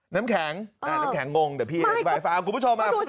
น้ำแข็งน้ำแข็งงงเดี๋ยวพี่อธิบายฟังคุณผู้ชม